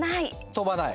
飛ばない。